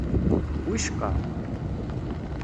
Wicqa.